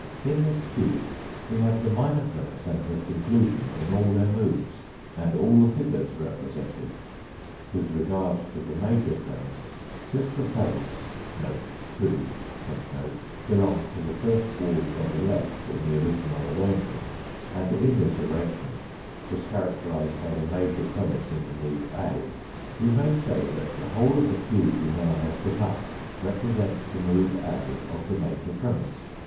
In this cube we have the minor premiss and the conclusion in all their moods, and all the figures represented. With regard to the major premiss, since the face (2) belongs to the first wall from the left in the original arrangement, and in this (D Fig. 55. 4321 arrangement was characterised by the major premiss in the mood A, we may say that the whole of the cube we now have put up represents the mood A of the major premiss.